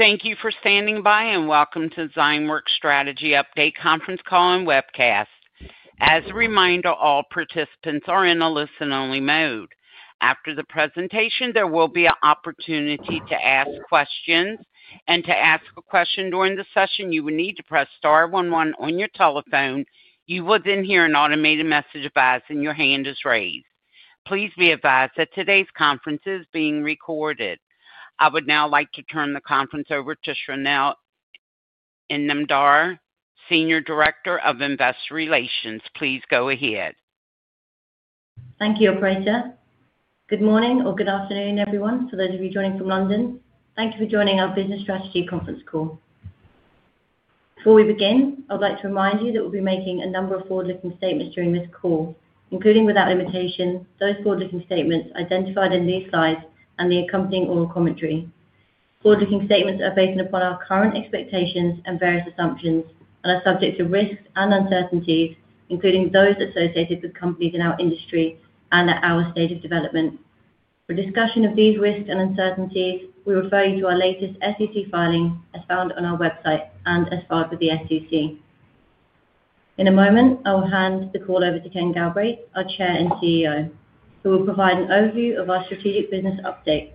Thank you for standing by and welcome to the Zymeworks Strategy Update conference call and webcast. As a reminder, all participants are in a listen-only mode. After the presentation, there will be an opportunity to ask questions. To ask a question during the session, you will need to press star one one on your telephone. You will then hear an automated message advising your hand is raised. Please be advised that today's conference is being recorded. I would now like to turn the conference over to Shrinal Inamdar, Senior Director of Investor Relations. Please go ahead. Thank you, Operator. Good morning or good afternoon, everyone, for those of you joining from London. Thank you for joining our Business Strategy Conference call. Before we begin, I'd like to remind you that we'll be making a number of forward-looking statements during this call, including without limitation, those forward-looking statements identified in these slides and the accompanying oral commentary. Forward-looking statements are based upon our current expectations and various assumptions and are subject to risks and uncertainties, including those associated with companies in our industry and at our stage of development. For discussion of these risks and uncertainties, we refer you to our latest SEC filing as found on our website and as filed with the SEC. In a moment, I will hand the call over to Ken Galbraith, our Chair and CEO, who will provide an overview of our strategic business update.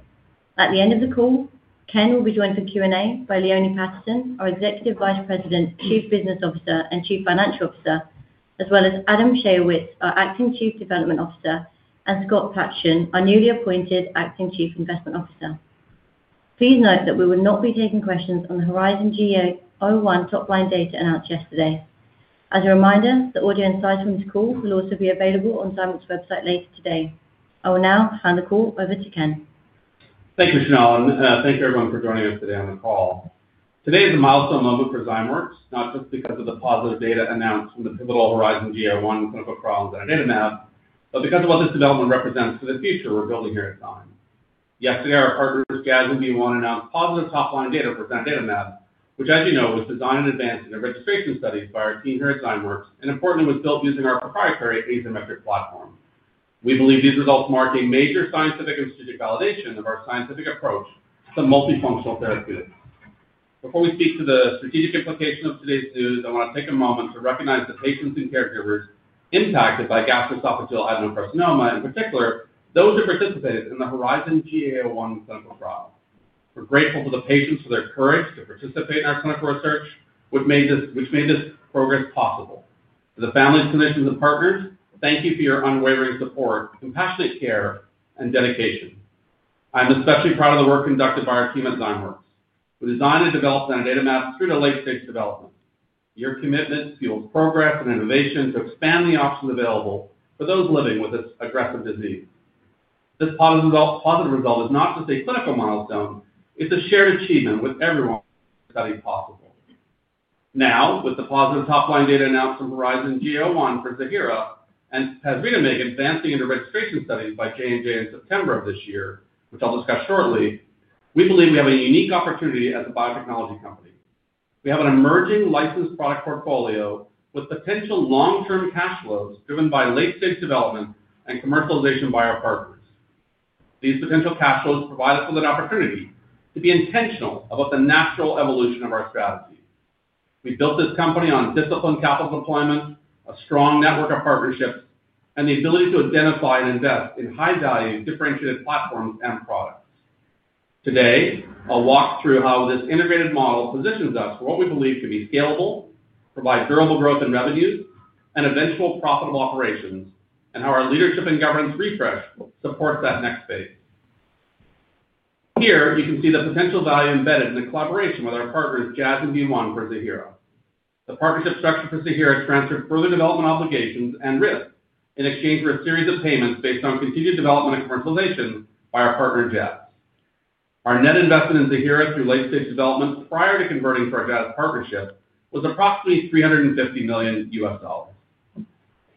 At the end of the call, Ken will be joined for Q&A by Leone Patterson, our Executive Vice President, Chief Business Officer, and Chief Financial Officer, as well as Adam Schayowitz, our Acting Chief Development Officer, and Scott Platshon, our newly appointed Acting Chief Investment Officer. Please note that we will not be taking questions on the HERIZON-GEA-01 top-line data announced yesterday. As a reminder, the audio and slides from this call will also be available on Zymeworks' website later today. I will now hand the call over to Ken. Thank you, Shrinal. Thank you, everyone, for joining us today on the call. Today is a milestone moment for Zymeworks, not just because of the positive data announced from the pivotal HERIZON-GEA-01 clinical trials and our datamab, but because of what this development represents for the future we're building here at Zymeworks. Yesterday, our partners, Jazz and BeOne, announced positive top-line data for our datamab, which, as you know, was designed in advance in a registration study by our team here at Zymeworks and, importantly, was built using our proprietary Azymetric technology platform. We believe these results mark a major scientific and strategic validation of our scientific approach to multifunctional therapeutics. Before we speak to the strategic implications of today's news, I want to take a moment to recognize the patients and caregivers impacted by gastroesophageal adenocarcinoma, in particular those who participated in the HERIZON-GEA-01 clinical trial. We're grateful to the patients for their courage to participate in our clinical research, which made this progress possible. To the families, clinicians, and partners, thank you for your unwavering support, compassionate care, and dedication. I'm especially proud of the work conducted by our team at Zymeworks. We designed and developed our data map through the late-stage development. Your commitment fuels progress and innovation to expand the options available for those living with this aggressive disease. This positive result is not just a clinical milestone. It's a shared achievement with everyone. Study possible. Now, with the positive top-line data announced from HERIZON-GEA-01 for Ziihera and pasritamig advancing into registration studies by J&J in September of this year, which I'll discuss shortly, we believe we have a unique opportunity as a biotechnology company. We have an emerging licensed product portfolio with potential long-term cash flows driven by late-stage development and commercialization by our partners. These potential cash flows provide us with an opportunity to be intentional about the natural evolution of our strategy. We built this Company on disciplined capital deployment, a strong network of partnerships, and the ability to identify and invest in high-value, differentiated platforms and products. Today, I'll walk through how this integrated model positions us for what we believe to be scalable, provide durable growth in revenues and eventual profitable operations, and how our leadership and governance refresh supports that next phase. Here, you can see the potential value embedded in the collaboration with our partners, Jazz and BeOne, for Ziihera. The partnership structure for Ziihera transferred further development obligations and risks in exchange for a series of payments based on continued development and commercialization by our partner, Jazz. Our net investment in Ziihera through late-stage development prior to converting to our Jazz partnership was approximately $350 million.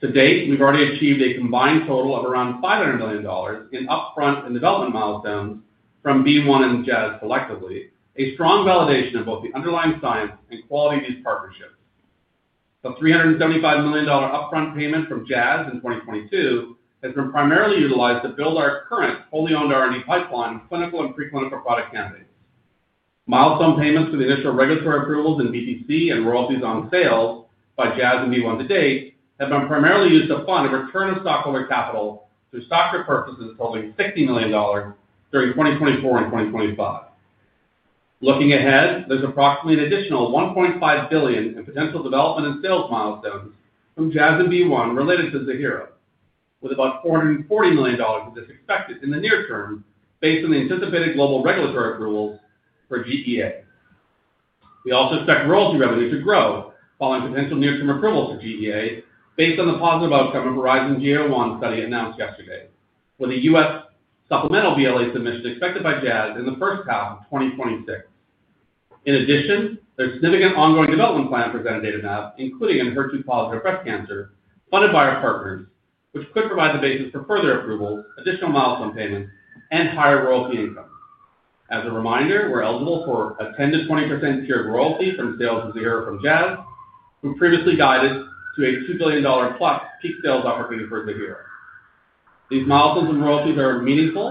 To date, we've already achieved a combined total of around $500 million in upfront and development milestones from BeOne and Jazz collectively, a strong validation of both the underlying science and quality of these partnerships. The $375 million upfront payment from Jazz in 2022 has been primarily utilized to build our current fully-owned R&D pipeline with clinical and preclinical product candidates. Milestone payments for the initial regulatory approvals in BPC and royalties on sales by Jazz and BeOne to date have been primarily used to fund a return of stockholder capital through stock repurchases totaling $60 million during 2024 and 2025. Looking ahead, there's approximately an additional $1.5 billion in potential development and sales milestones from Jazz and BeOne related to Ziihera, with about $440 million of this expected in the near term based on the anticipated global regulatory approvals for GEA. We also expect royalty revenue to grow following potential near-term approvals for GEA based on the positive outcome of HERIZON-GEA-01 study announced yesterday, with a U.S. supplemental BLA submission expected by Jazz in the first half of 2026. In addition, there's a significant ongoing development plan for Zymeworks' datamab, including in HER2-Positive breast cancer, funded by our partners, which could provide the basis for further approvals, additional milestone payments, and higher royalty income. As a reminder, we're eligible for a 10%-20% tiered royalty from sales of Ziihera from Jazz, who previously guided to a $2 billion+ peak sales opportunity for Ziihera. These milestones and royalties are meaningful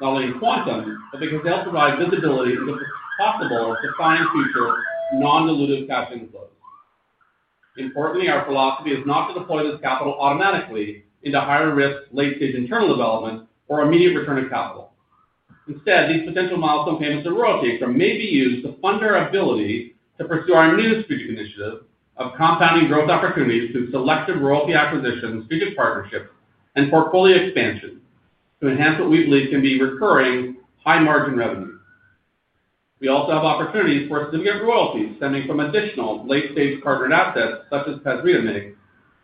not only in quantum, but because they help provide visibility into the possible or defined future non-dilutive cash inflows. Importantly, our philosophy is not to deploy this capital automatically into higher-risk late-stage internal development or immediate return of capital. Instead, these potential milestone payments and royalties may be used to fund our ability to pursue our new strategic initiative of compounding growth opportunities through selective royalty acquisitions, strategic partnerships, and portfolio expansion to enhance what we believe can be recurring high-margin revenue. We also have opportunities for significant royalties stemming from additional late-stage partnered assets such as pasritamig,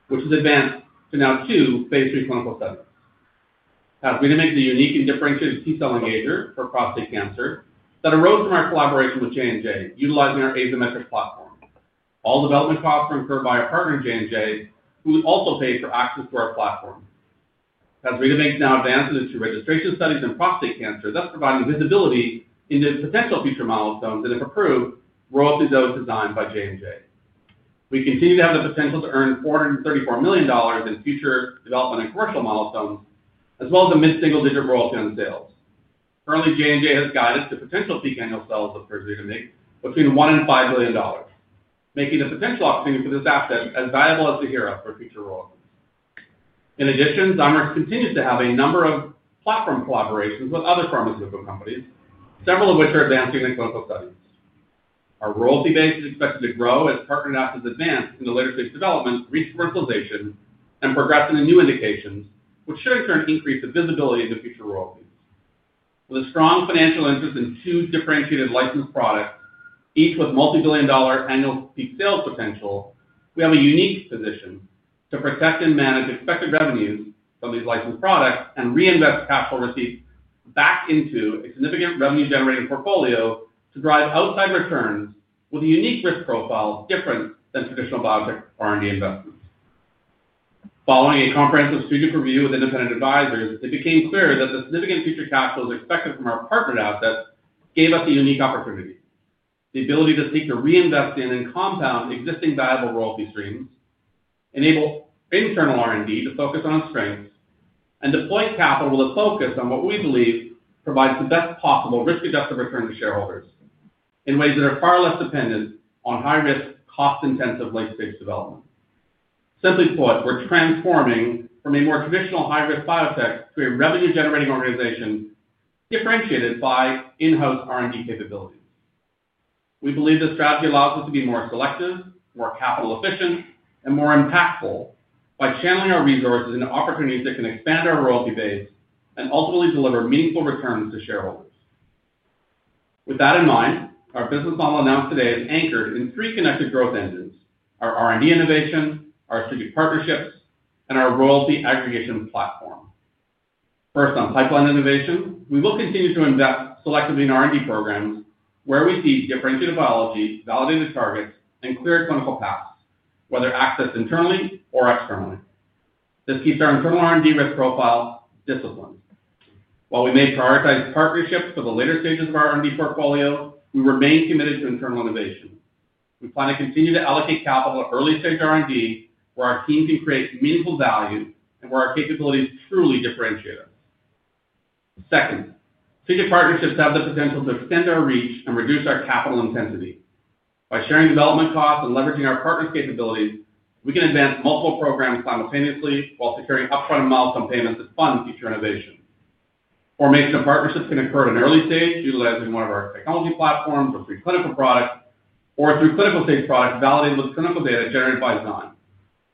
which has advanced to now two Phase 3 clinical studies. Pasritamig is a unique and differentiated T cell engager for prostate cancer that arose from our collaboration with J&J utilizing our Azymetric platform. All development costs were incurred by our partner, J&J, who also paid for access to our platform. Pasritamig's now advanced into two registration studies in prostate cancer, thus providing visibility into potential future milestones and, if approved, royalties on those designed by J&J. We continue to have the potential to earn $434 million in future development and commercial milestones, as well as a mid-single-digit royalty on sales. Currently, J&J has guided to potential peak annual sales of pasritamig between $1 million and $5 million, making the potential opportunity for this asset as valuable as Ziihera for future royalties. In addition, Zymeworks continues to have a number of platform collaborations with other pharmaceutical companies, several of which are advancing in clinical studies. Our royalty base is expected to grow as partnered assets advance in the later-stage development, re-commercialization, and progression in new indications, which should in turn increase the visibility of the future royalties. With a strong financial interest in two differentiated licensed products, each with multi-billion dollar annual peak sales potential, we have a unique position to protect and manage expected revenues from these licensed products and reinvest capital receipts back into a significant revenue-generating portfolio to drive outside returns with a unique risk profile different than traditional biotech R&D investments. Following a comprehensive strategic review with independent advisors, it became clear that the significant future cash flows expected from our partnered assets gave us a unique opportunity: the ability to seek to reinvest in and compound existing valuable royalty streams, enable internal R&D to focus on strengths, and deploy capital with a focus on what we believe provides the best possible risk-adjusted return to shareholders in ways that are far less dependent on high-risk, cost-intensive late-stage development. Simply put, we're transforming from a more traditional high-risk biotech to a revenue-generating organization differentiated by in-house R&D capabilities. We believe this strategy allows us to be more selective, more capital-efficient, and more impactful by channeling our resources into opportunities that can expand our royalty base and ultimately deliver meaningful returns to shareholders. With that in mind, our business model announced today is anchored in three connected growth engines: our R&D innovation, our strategic partnerships, and our royalty aggregation platform. First, on pipeline innovation, we will continue to invest selectively in R&D programs where we see differentiated biology, validated targets, and clear clinical paths, whether accessed internally or externally. This keeps our internal R&D risk profile disciplined. While we may prioritize partnerships for the later stages of our R&D portfolio, we remain committed to internal innovation. We plan to continue to allocate capital to early-stage R&D where our team can create meaningful value and where our capabilities truly differentiate us. Second, Strategic Partnerships have the potential to extend our reach and reduce our capital intensity. By sharing development costs and leveraging our partners' capabilities, we can advance multiple programs simultaneously while securing upfront and milestone payments that fund future innovation. Formation of partnerships can occur at an early stage utilizing one of our technology platforms or through clinical products or through clinical-stage products validated with clinical data generated by Zyme.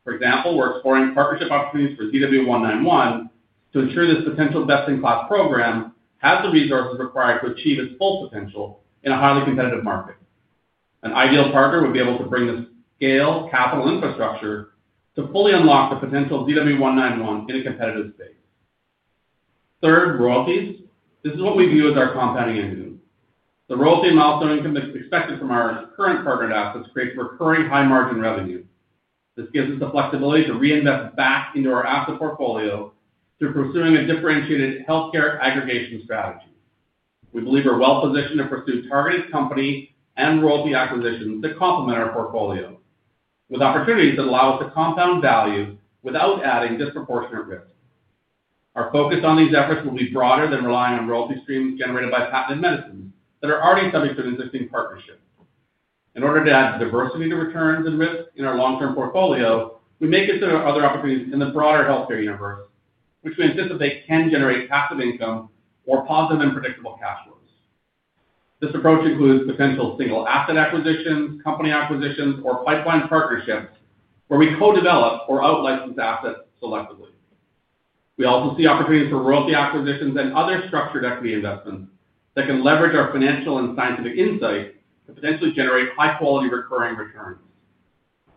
For example, we're exploring partnership opportunities for ZW191 to ensure this potential best-in-class program has the resources required to achieve its full potential in a highly competitive market. An ideal partner would be able to bring the scale capital infrastructure to fully unlock the potential of ZW191 in a competitive space. Third, royalties. This is what we view as our compounding engine. The royalty and milestone income expected from our current partnered assets creates recurring high-margin revenue. This gives us the flexibility to reinvest back into our Asset portfolio through pursuing a differentiated healthcare aggregation strategy. We believe we're well-positioned to pursue targeted company and royalty acquisitions that complement our portfolio, with opportunities that allow us to compound value without adding disproportionate risk. Our focus on these efforts will be broader than relying on royalty streams generated by patented medicines that are already subject to existing partnerships. In order to add diversity to returns and risk in our long-term portfolio, we may consider other opportunities in the broader healthcare universe, which we anticipate can generate passive income or positive and predictable cash flows. This approach includes potential single asset acquisitions, company acquisitions, or pipeline partnerships where we co-develop or out-license assets selectively. We also see opportunities for royalty acquisitions and other structured equity investments that can leverage our financial and scientific insight to potentially generate high-quality recurring returns.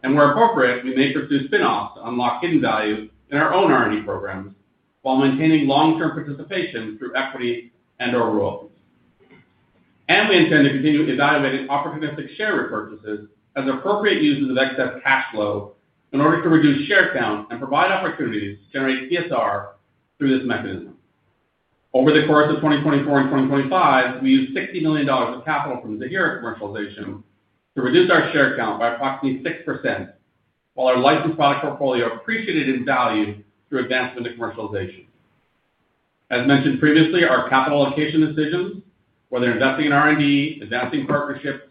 Where appropriate, we may pursue spinoffs to unlock hidden value in our own R&D programs while maintaining long-term participation through equity and/or royalties. We intend to continue evaluating opportunistic share repurchases as appropriate uses of excess cash flow in order to reduce share count and provide opportunities to generate ESR through this mechanism. Over the course of 2024 and 2025, we used $60 million of capital from Ziihera commercialization to reduce our share count by approximately 6%, while our licensed product portfolio appreciated in value through advancement of commercialization. As mentioned previously, our capital allocation decisions, whether investing in R&D, advancing partnerships,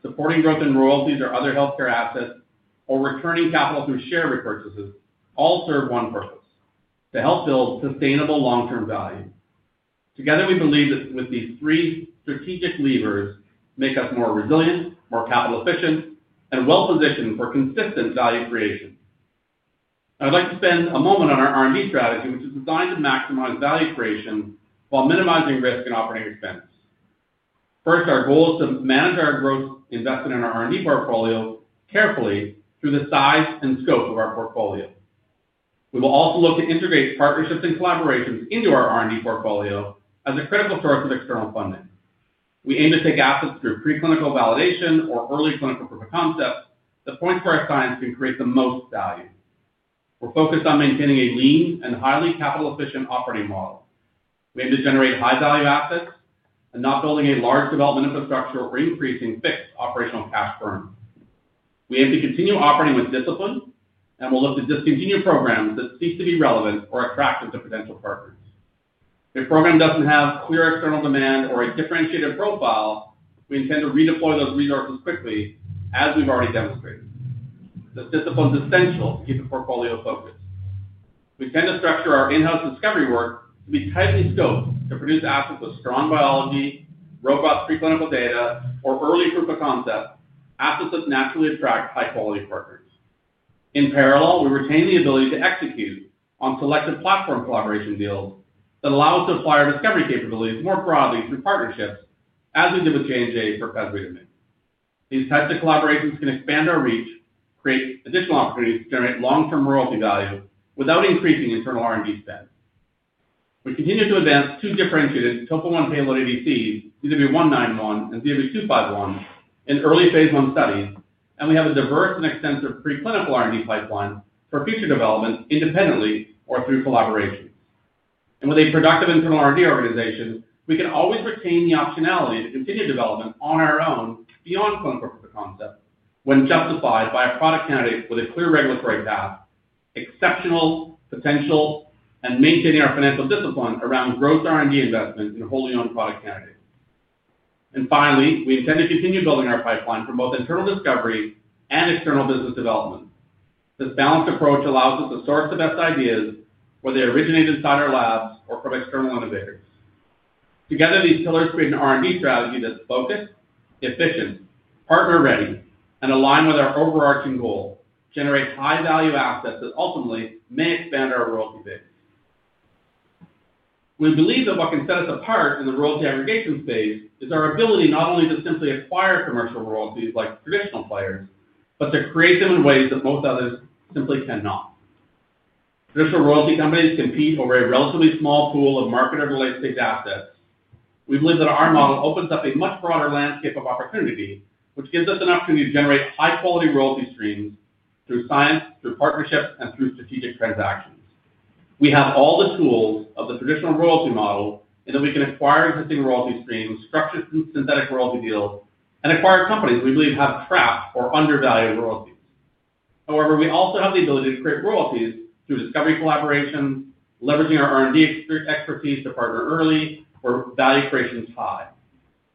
supporting growth in royalties or other healthcare assets, or returning capital through share repurchases, all serve one purpose: to help build sustainable long-term value. Together, we believe that with these three strategic levers we make us more resilient, more capital-efficient, and well-positioned for consistent value creation. I'd like to spend a moment on our R&D strategy, which is designed to maximize value creation while minimizing risk and operating expense. First, our goal is to manage our growth invested in our R&D portfolio carefully through the size and scope of our portfolio. We will also look to integrate partnerships and collaborations into our R&D portfolio as a critical source of external funding. We aim to take assets through preclinical validation or early clinical proof of concept to the point where our science can create the most value. We're focused on maintaining a lean and highly capital-efficient operating model. We aim to generate high-value assets and not building a large development infrastructure or increasing fixed operational cash burn. We aim to continue operating with discipline and will look to discontinue programs that cease to be relevant or attractive to potential partners. If a program doesn't have clear external demand or a differentiated profile, we intend to redeploy those resources quickly, as we've already demonstrated. This discipline is essential to keep the portfolio focused. We tend to structure our in-house discovery work to be tightly scoped to produce assets with strong biology, robust preclinical data, or early proof of concept assets that naturally attract high-quality partners. In parallel, we retain the ability to execute on selective platform collaboration deals that allow us to apply our discovery capabilities more broadly through partnerships, as we did with J&J for pasritamig. These types of collaborations can expand our reach, create additional opportunities to generate long-term royalty value without increasing internal R&D spend. We continue to advance two differentiated TOPO1 payload ADCs, ZW191 and ZW251, in early Phase 1 studies, and we have a diverse and extensive preclinical R&D pipeline for future development independently or through collaborations. With a productive internal R&D organization, we can always retain the optionality to continue development on our own beyond clinical proof of concept when justified by a product candidate with a clear regulatory path, exceptional potential, and maintaining our financial discipline around growth R&D investment in wholly owned product candidates. Finally, we intend to continue building our pipeline for both internal discovery and external business development. This balanced approach allows us to source the best ideas, whether they originate inside our labs or from external innovators. Together, these pillars create an R&D strategy that's focused, efficient, partner-ready, and aligned with our overarching goal: generate high-value assets that ultimately may expand our royalty base. We believe that what can set us apart in the royalty aggregation space is our ability not only to simply acquire commercial royalties like traditional players, but to create them in ways that most others simply cannot. Traditional royalty companies compete over a relatively small pool of marketed or late-stage assets. We believe that our model opens up a much broader landscape of opportunity, which gives us an opportunity to generate high-quality royalty streams through science, through partnerships, and through strategic transactions. We have all the tools of the traditional royalty model in that we can acquire existing royalty streams, structure synthetic royalty deals, and acquire companies we believe have trapped or undervalued royalties. However, we also have the ability to create royalties through discovery collaborations, leveraging our R&D expertise to partner early where value creation is high.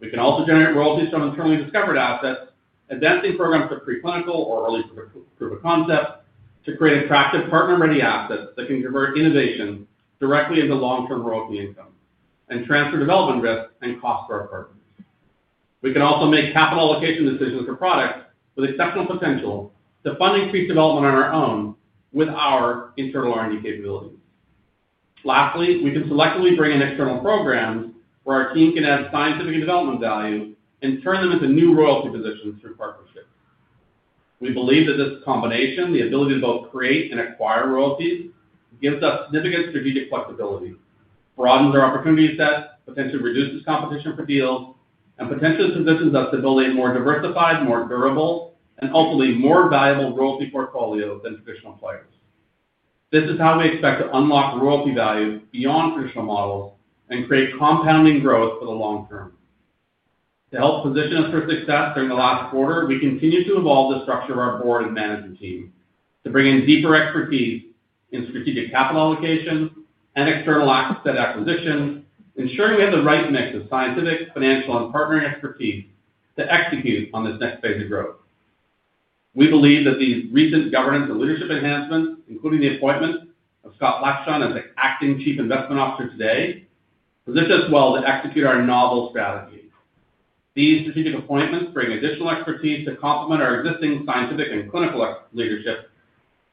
We can also generate royalties from internally discovered assets, advancing programs from preclinical or early proof of concept to create attractive partner-ready assets that can convert innovation directly into long-term royalty income and transfer development risk and cost to our partners. We can also make capital allocation decisions for products with exceptional potential to fund increased development on our own with our internal R&D capabilities. Lastly, we can selectively bring in external programs where our team can add scientific and development value and turn them into new royalty positions through partnerships. We believe that this combination, the ability to both create and acquire royalties, gives us significant strategic flexibility, broadens our opportunity set, potentially reduces competition for deals, and potentially positions us to build a more diversified, more durable, and hopefully more valuable Royalty portfolio than traditional players. This is how we expect to unlock royalty value beyond traditional models and create compounding growth for the long term. To help position us for success during the last quarter, we continue to evolve the structure of our Board and management team to bring in deeper expertise in strategic capital allocation and external asset acquisition, ensuring we have the right mix of scientific, financial, and partnering expertise to execute on this next phase of growth. We believe that these recent governance and leadership enhancements, including the appointment of Scott Platshon as the Acting Chief Investment Officer today, position us well to execute our novel strategy. These strategic appointments bring additional expertise to complement our existing scientific and clinical leadership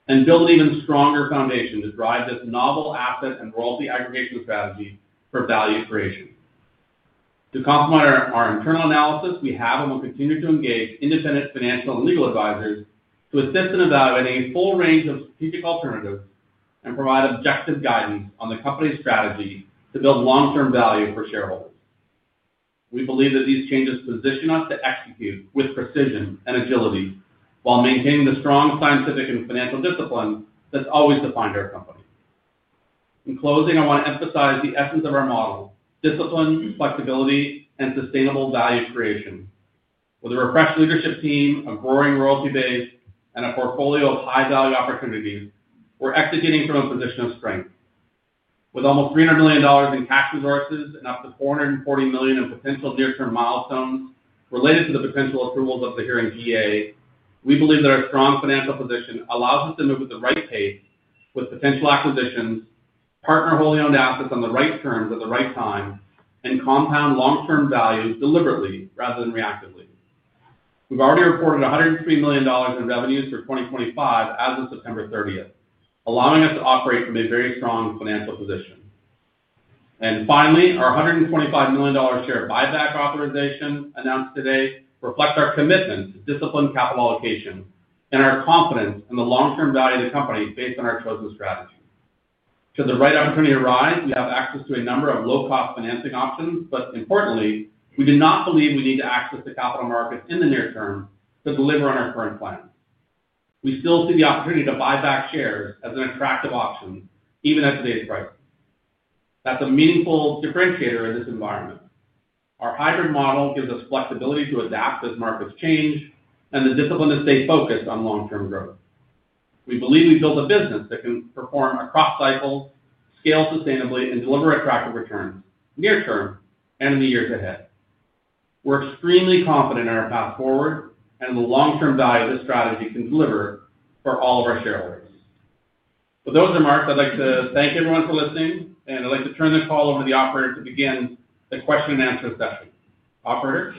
and build an even stronger foundation to drive this novel asset and royalty aggregation strategy for value creation. To complement our internal analysis, we have and will continue to engage independent financial and legal advisors to assist in evaluating a full range of strategic alternatives and provide objective guidance on the Company's strategy to build long-term value for shareholders. We believe that these changes position us to execute with precision and agility while maintaining the strong scientific and financial discipline that's always defined our Company. In closing, I want to emphasize the essence of our model: discipline, flexibility, and sustainable value creation. With a refreshed leadership team, a growing royalty base, and a portfolio of high-value opportunities, we're executing from a position of strength. With almost $300 million in cash resources and up to $440 million in potential near-term milestones related to the potential approvals of the current GEA, we believe that our strong financial position allows us to move at the right pace with potential acquisitions, partner wholly owned assets on the right terms at the right time, and compound long-term value deliberately rather than reactively. We've already reported $103 million in revenues for 2025 as of September 30th, allowing us to operate from a very strong financial position. Finally, our $125 million share buyback authorization announced today reflects our commitment to disciplined capital allocation and our confidence in the long-term value of the company based on our chosen strategy. Should the right opportunity arise, we have access to a number of low-cost financing options, but importantly, we do not believe we need to access the capital markets in the near term to deliver on our current plan. We still see the opportunity to buy back shares as an attractive option even at today's prices. That is a meaningful differentiator in this environment. Our hybrid model gives us flexibility to adapt as markets change and the discipline to stay focused on long-term growth. We believe we've built a business that can perform across cycles, scale sustainably, and deliver attractive returns near term and in the years ahead. We're extremely confident in our path forward and the long-term value this strategy can deliver for all of our shareholders. With those remarks, I'd like to thank everyone for listening, and I'd like to turn the call over to the operator to begin the question and answer session. Operator?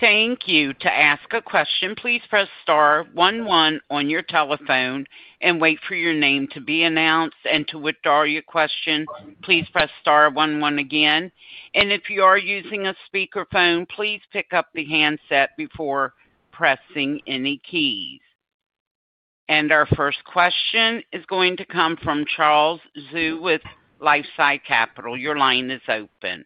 Thank you. To ask a question, please press star one one on your telephone and wait for your name to be announced and to withdraw your question, please press star one one again. If you are using a speakerphone, please pick up the handset before pressing any keys. Our first question is going to come from Charles Zhu with LifeSci Capital. Your line is open.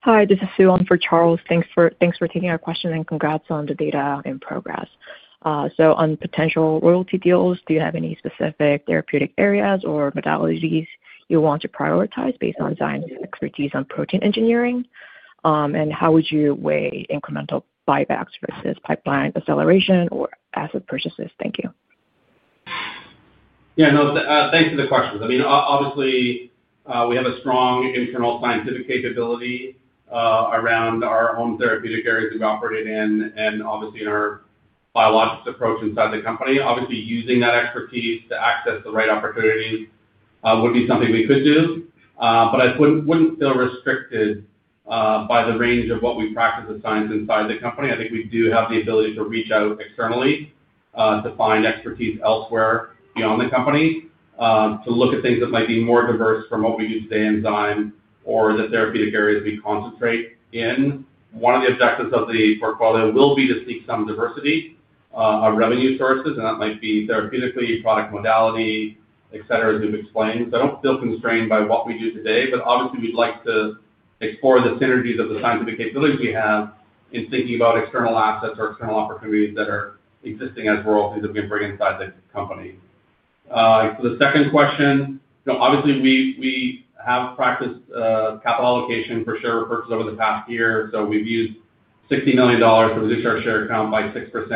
Hi, this is Sue on for Charles. Thanks for taking our question and congrats on the data in progress. On potential royalty deals, do you have any specific therapeutic areas or modalities you want to prioritize based on Zyme's expertise on protein engineering? How would you weigh incremental buybacks versus pipeline acceleration or asset purchases? Thank you. Yeah, no, thanks for the questions. I mean, obviously, we have a strong internal scientific capability around our own therapeutic areas that we operate in and obviously in our biologics approach inside the Company. Obviously, using that expertise to access the right opportunities would be something we could do, but I wouldn't feel restricted by the range of what we practice as science inside the Company. I think we do have the ability to reach out externally to find expertise elsewhere beyond the Company to look at things that might be more diverse from what we do today in Zyme or the therapeutic areas we concentrate in. One of the objectives of the portfolio will be to seek some diversity of revenue sources, and that might be therapeutically, product modality, etc., as we've explained. I do not feel constrained by what we do today, but obviously, we'd like to explore the synergies of the scientific capabilities we have in thinking about external assets or external opportunities that are existing as royalties that we can bring inside the Company. For the second question, obviously, we have practiced capital allocation for share repurchase over the past year. We've used $60 million to reduce our share count by 6%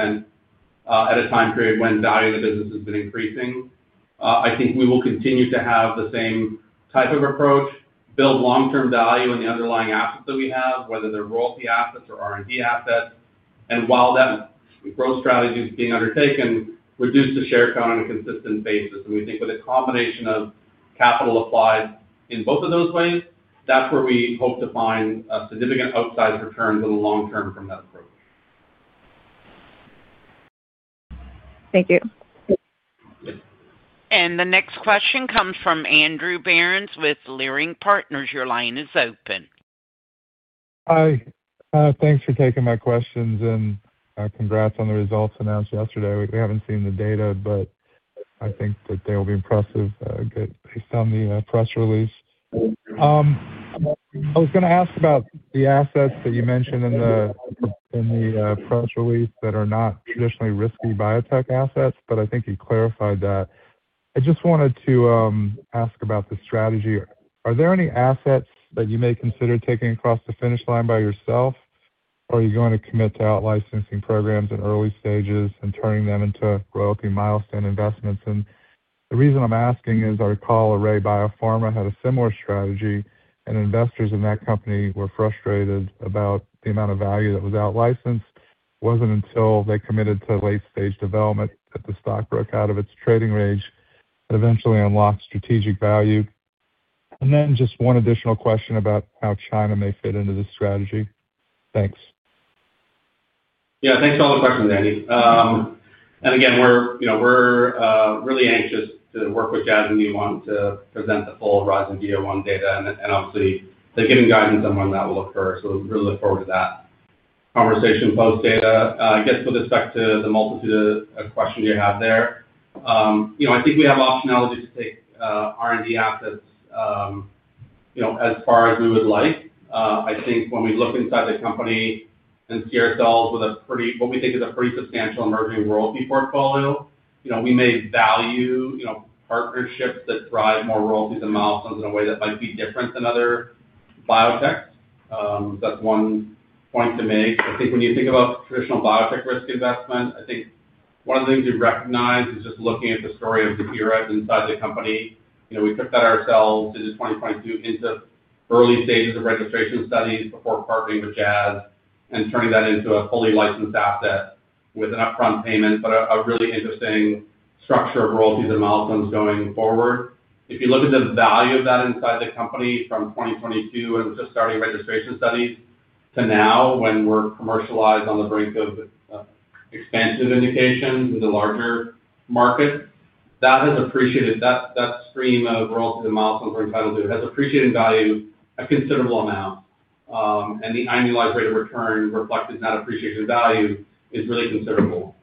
at a time period when value in the business has been increasing. I think we will continue to have the same type of approach, build long-term value in the underlying assets that we have, whether they're royalty assets or R&D assets. While that growth strategy is being undertaken, reduce the share count on a consistent basis. We think with a combination of capital applied in both of those ways, that's where we hope to find significant outsized returns in the long term from that approach. Thank you. The next question comes from Andrew Berens with Leerink Partners. Your line is open. Hi. Thanks for taking my questions and congrats on the results announced yesterday. We haven't seen the data, but I think that they will be impressive based on the press release. I was going to ask about the assets that you mentioned in the press release that are not traditionally risky biotech assets, but I think you clarified that. I just wanted to ask about the strategy. Are there any assets that you may consider taking across the finish line by yourself, or are you going to commit to outlicensing programs in early stages and turning them into royalty milestone investments? The reason I'm asking is our call Array BioPharma had a similar strategy, and investors in that company were frustrated about the amount of value that was outlicensed. It was not until they committed to late-stage development that the stock broke out of its trading range and eventually unlocked strategic value. Just one additional question about how China may fit into this strategy. Thanks. Yeah, thanks for all the questions, Andy. Again, we're really anxious to work with you as we want to present the full Rising DO1 data, and obviously, they're giving guidance on when that will occur. We really look forward to that conversation post-data. I guess with respect to the multitude of questions you have there, I think we have optionality to take R&D assets as far as we would like. I think when we look inside the Company and see ourselves with what we think is a pretty substantial emerging Royalty portfolio, we may value partnerships that drive more royalties and milestones in a way that might be different than other biotechs. That's one point to make. I think when you think about traditional biotech risk investment, I think one of the things we recognize is just looking at the story of Ziihera inside the company. We took that ourselves into 2022 into early stages of registration studies before partnering with Jazz and turning that into a fully licensed asset with an upfront payment, but a really interesting structure of royalties and milestones going forward. If you look at the value of that inside the Company from 2022 and just starting registration studies to now when we're commercialized on the brink of expansive indications in the larger market, that has appreciated. That stream of royalties and milestones we're entitled to has appreciated in value a considerable amount. The annualized rate of return reflected in that appreciation value is really considerable.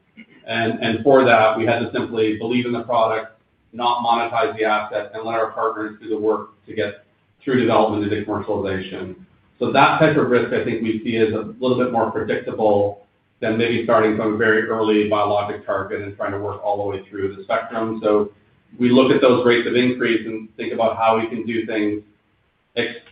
For that, we had to simply believe in the product, not monetize the asset, and let our partners do the work to get through development and the commercialization. That type of risk, I think we see as a little bit more predictable than maybe starting from a very early biologic target and trying to work all the way through the spectrum. We look at those rates of increase and think about how we can do things,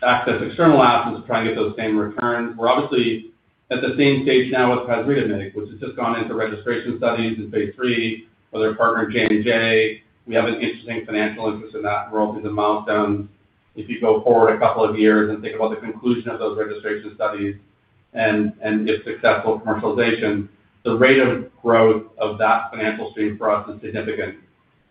access external assets to try and get those same returns. We're obviously at the same stage now with pasritamig, which has just gone into registration studies in Phase 3 with our partner J&J. We have an interesting financial interest in that, royalties and milestones. If you go forward a couple of years and think about the conclusion of those registration studies and, if successful, commercialization, the rate of growth of that financial stream for us is significant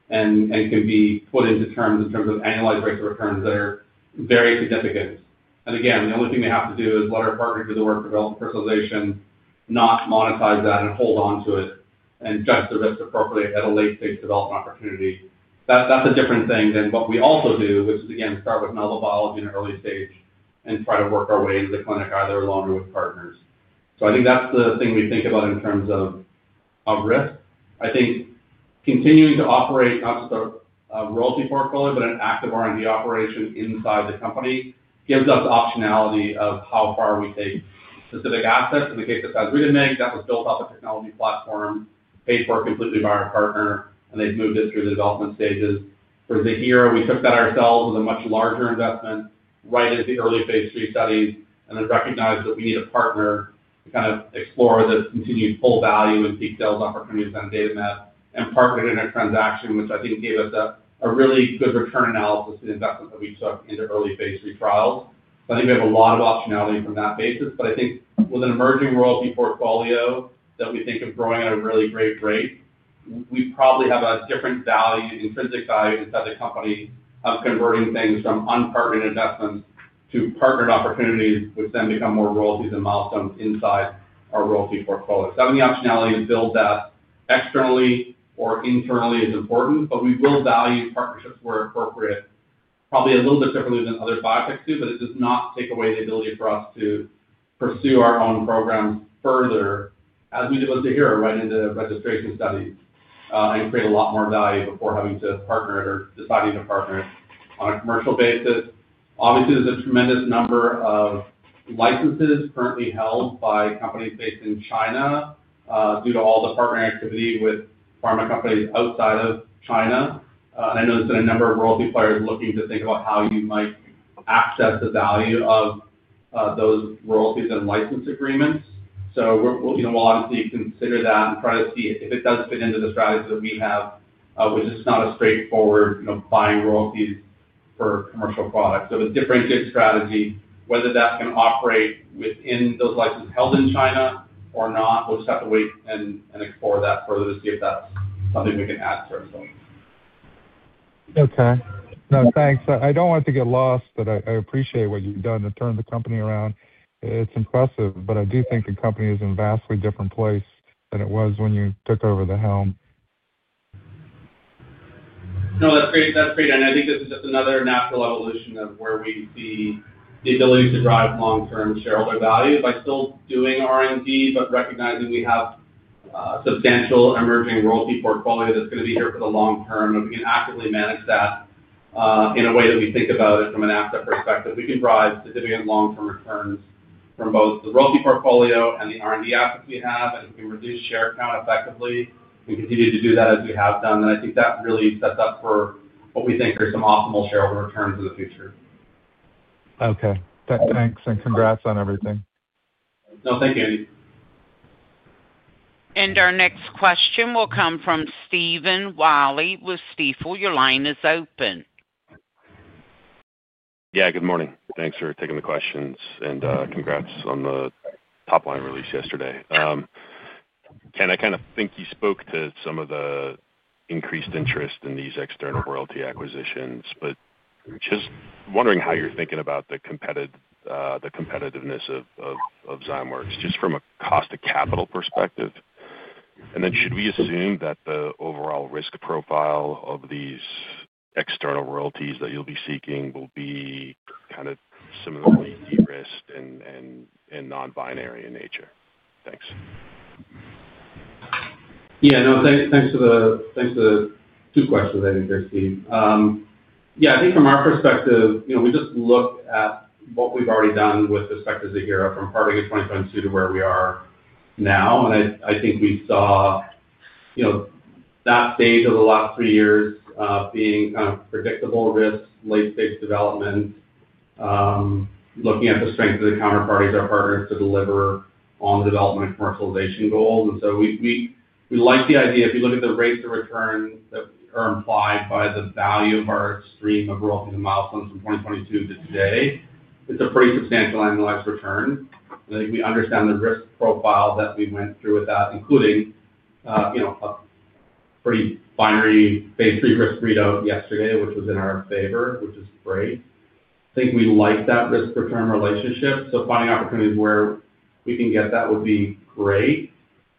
and can be put into terms in terms of annualized rates of returns that are very significant. Again, the only thing we have to do is let our partners do the work, develop the commercialization, not monetize that and hold on to it and judge the risk appropriately at a late-stage development opportunity. That's a different thing than what we also do, which is again, start with novel biology in an early stage and try to work our way into the clinic either alone or with partners. I think that's the thing we think about in terms of risk. I think continuing to operate not just a Royalty portfolio, but an active R&D operation inside the company gives us optionality of how far we take specific assets. In the case of pasritamig, that was built off a technology platform, paid for completely by our partner, and they've moved it through the development stages. For Ziihera, we took that ourselves as a much larger investment right into early Phase 3 studies and then recognized that we need a partner to kind of explore the continued full value and seek sales opportunities on datamab and partnered in a transaction, which I think gave us a really good return analysis to the investment that we took into early Phase 3 trials. I think we have a lot of optionality from that basis, but I think with an emerging Royalty portfolio that we think of growing at a really great rate, we probably have a different value, intrinsic value inside the company of converting things from unpartnered investments to partnered opportunities, which then become more royalties and milestones inside our Royalty portfolio. Having the optionality to build that externally or internally is important, but we will value partnerships where appropriate, probably a little bit differently than other biotechs do, but it does not take away the ability for us to pursue our own programs further as we did with Ziihera right into registration studies and create a lot more value before having to partner it or deciding to partner it on a commercial basis. Obviously, there is a tremendous number of licenses currently held by companies based in China due to all the partner activity with pharma companies outside of China. I know there has been a number of royalty players looking to think about how you might access the value of those royalties and license agreements. We'll obviously consider that and try to see if it does fit into the strategy that we have, which is not a straightforward buying royalties for commercial products. It is a differentiated strategy, whether that can operate within those licenses held in China or not, we'll just have to wait and explore that further to see if that's something we can add to ourselves. Okay. No, thanks. I don't want to get lost, but I appreciate what you've done to turn the Company around. It's impressive, but I do think the Company is in a vastly different place than it was when you took over the helm. No, that's great. That's great. I think this is just another natural evolution of where we see the ability to drive long-term shareholder value by still doing R&D, but recognizing we have a substantial emerging Royalty portfolio that is going to be here for the long term. If we can actively manage that in a way that we think about it from an asset perspective, we can drive significant long-term returns from both the Royalty portfolio and the R&D assets we have, and we can reduce share count effectively and continue to do that as we have done. I think that really sets up for what we think are some optimal shareholder returns in the future. Okay. Thanks. And congrats on everything. No, thank you, Andy. Our next question will come from Stephen Walley with Stifel. Your line is open. Yeah, good morning. Thanks for taking the questions and congrats on the top-line release yesterday. I kind of think you spoke to some of the increased interest in these external royalty acquisitions, but just wondering how you're thinking about the competitiveness of Zymeworks just from a cost of capital perspective. Should we assume that the overall risk profile of these external royalties that you'll be seeking will be kind of similarly de-risked and non-binary in nature? Thanks. Yeah, no, thanks for the two questions, Andy and Steph. I think from our perspective, we just look at what we've already done with respect to Ziihera from partnering in 2022 to where we are now. I think we saw that stage of the last three years being kind of predictable risk, late-stage development, looking at the strength of the counterparties, our partners to deliver on the development and commercialization goals. We like the idea if you look at the rates of return that are implied by the value of our stream of royalties and milestones from 2022 to today, it's a pretty substantial annualized return. I think we understand the risk profile that we went through with that, including a pretty binary Phase 3 risk readout yesterday, which was in our favor, which is great. I think we like that risk-return relationship. Finding opportunities where we can get that would be great.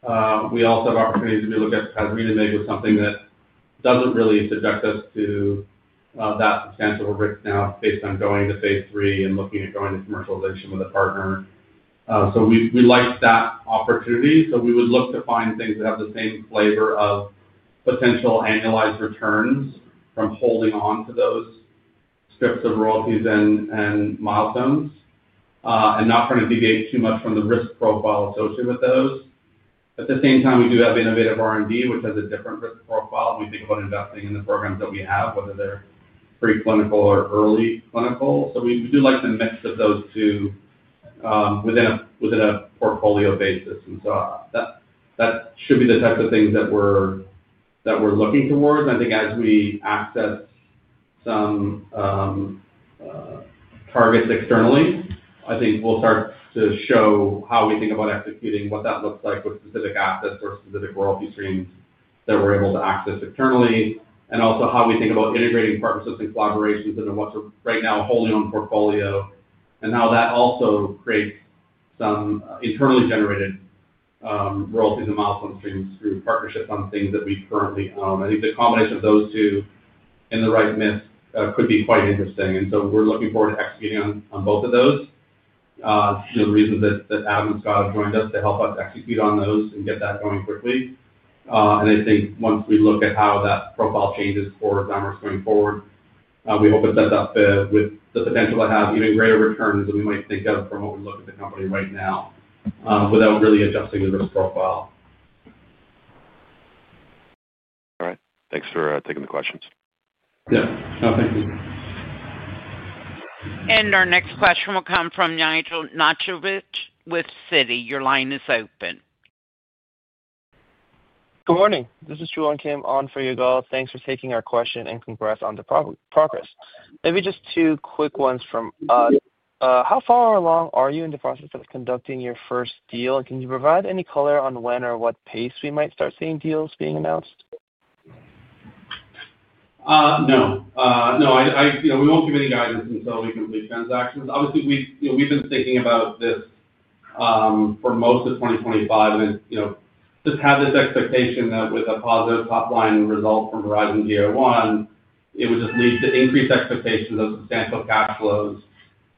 We also have opportunities if we look at Ziihera, which is something that does not really subject us to that substantial risk now based on going into Phase 3 and looking at going into commercialization with a partner. We like that opportunity. We would look to find things that have the same flavor of potential annualized returns from holding on to those scripts of royalties and milestones and not trying to deviate too much from the risk profile associated with those. At the same time, we do have innovative R&D, which has a different risk profile. We think about investing in the programs that we have, whether they're pre-clinical or early clinical. We do like the mix of those two within a portfolio basis. That should be the type of things that we're looking towards. I think as we access some targets externally, I think we'll start to show how we think about executing what that looks like with specific assets or specific royalty streams that we're able to access externally, and also how we think about integrating partnerships and collaborations into what's right now holding on portfolio and how that also creates some internally generated royalties and milestone streams through partnerships on things that we currently own. I think the combination of those two in the right mix could be quite interesting. We are looking forward to executing on both of those. The reason that Adam and Scott have joined us is to help us execute on those and get that going quickly. I think once we look at how that profile changes for Zymeworks going forward, we hope it sets up with the potential to have even greater returns than we might think of from what we look at the company right now without really adjusting the risk profile. All right. Thanks for taking the questions. Yeah. No, thank you. Our next question will come from Yigal Nochomovitz with Citi. Your line is open. Good morning. This is Jihwan Kim on for Yigal. Thanks for taking our question and congrats on the progress. Maybe just two quick ones from us. How far along are you in the process of conducting your first deal? And can you provide any color on when or what pace we might start seeing deals being announced? No. No, we won't give any guidance until we complete transactions. Obviously, we've been thinking about this for most of 2025 and then just have this expectation that with a positive top-line result from HERIZON-GEA-01, it would just lead to increased expectations of substantial cash flows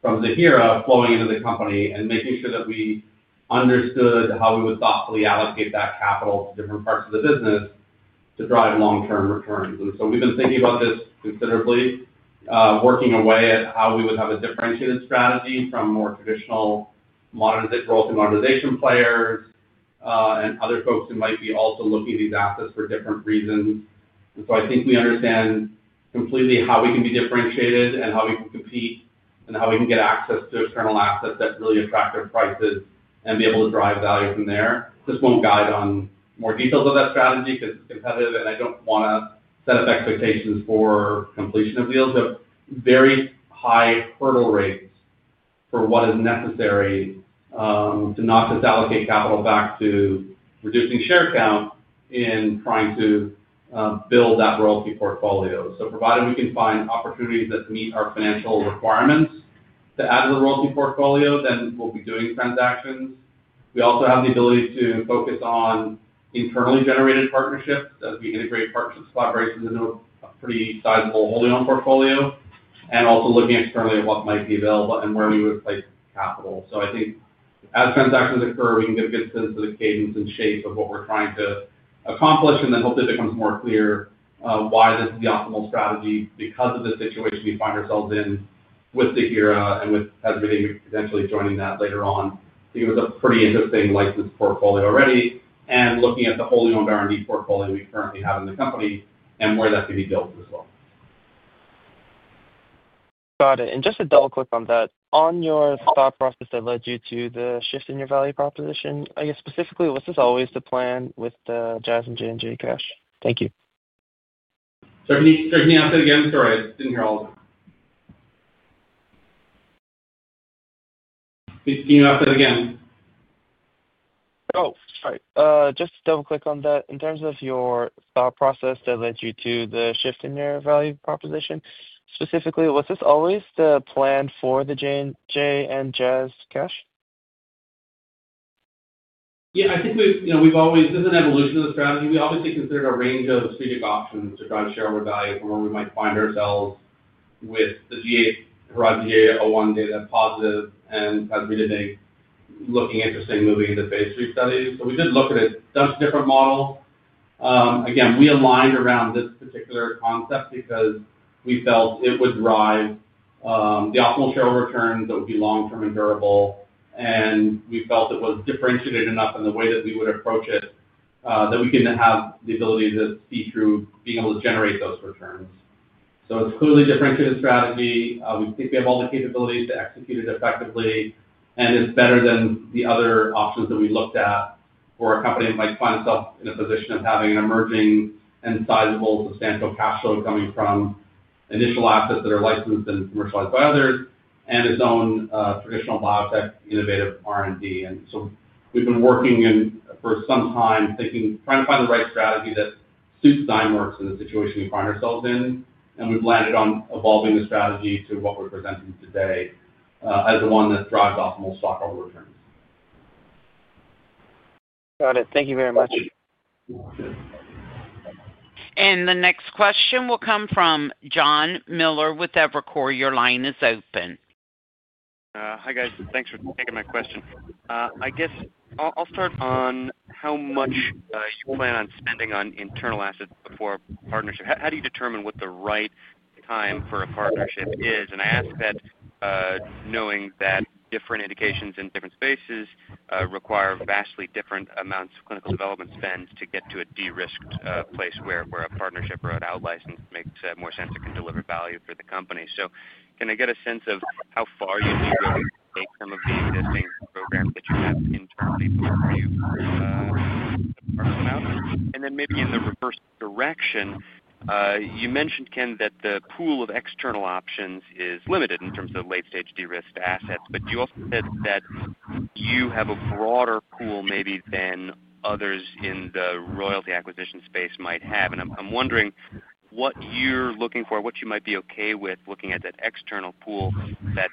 from Ziihera flowing into the Company and making sure that we understood how we would thoughtfully allocate that capital to different parts of the business to drive long-term returns. We've been thinking about this considerably, working away at how we would have a differentiated strategy from more traditional royalty and monetization players and other folks who might be also looking at these assets for different reasons. I think we understand completely how we can be differentiated and how we can compete and how we can get access to external assets that really attract our prices and be able to drive value from there. Just won't guide on more details of that strategy because it's competitive, and I don't want to set up expectations for completion of deals. We have very high hurdle rates for what is necessary to not just allocate capital back to reducing share count in trying to build that Royalty portfolio. Provided we can find opportunities that meet our financial requirements to add to the Royalty portfolio, then we'll be doing transactions. We also have the ability to focus on internally generated partnerships as we integrate partnerships, collaborations into a pretty sizable holding on portfolio and also looking externally at what might be available and where we would place capital. I think as transactions occur, we can get a good sense of the cadence and shape of what we're trying to accomplish, and then hopefully it becomes more clear why this is the optimal strategy because of the situation we find ourselves in with Ziihera and with pasritamig potentially joining that later on. I think it is a pretty interesting license portfolio already and looking at the holding on R&D portfolio we currently have in the company and where that can be built as well. Got it. Just to double-click on that, on your thought process that led you to the shift in your value proposition, I guess specifically, was this always the plan with the Jazz and J&J cash? Thank you. Sorry, can you ask that again? Sorry, I did not hear all of that. Can you ask that again? Oh, sorry. Just double-click on that. In terms of your thought process that led you to the shift in your value proposition, specifically, was this always the plan for the J&J and Jazz cash? Yeah, I think we've always—this is an evolution of the strategy. We obviously considered a range of strategic options to drive shareholder value from where we might find ourselves with the HERIZON-GEA-01 data positive and Ziihera looking interesting moving into Phase 3 studies. We did look at a bunch of different models. Again, we aligned around this particular concept because we felt it would drive the optimal shareholder returns that would be long-term and durable, and we felt it was differentiated enough in the way that we would approach it that we can have the ability to see through being able to generate those returns. It is clearly a differentiated strategy. We think we have all the capabilities to execute it effectively, and it's better than the other options that we looked at for a company that might find itself in a position of having an emerging and sizable substantial cash flow coming from initial assets that are licensed and commercialized by others and its own traditional biotech innovative R&D. We have been working for some time thinking, trying to find the right strategy that suits Zymeworks in the situation we find ourselves in, and we've landed on evolving the strategy to what we're presenting today as the one that drives optimal stockholder returns. Got it. Thank you very much. The next question will come from Jon Miller with Evercore. Your line is open. Hi guys. Thanks for taking my question. I guess I'll start on how much you plan on spending on internal assets before a partnership. How do you determine what the right time for a partnership is? I ask that knowing that different indications in different spaces require vastly different amounts of clinical development spend to get to a de-risked place where a partnership or an outlicense makes more sense and can deliver value for the Company. Can I get a sense of how far you think you're going to take some of the existing programs that you have internally before you partner them out? Maybe in the reverse direction, you mentioned, Ken, that the pool of external options is limited in terms of late-stage de-risked assets, but you also said that you have a broader pool maybe than others in the royalty acquisition space might have. I'm wondering what you're looking for, what you might be okay with looking at that external pool that's